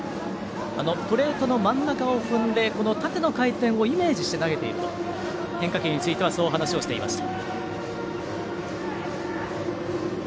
プレートの真ん中を踏んで縦の回転をイメージして投げていると変化球についてはそう話をしていました。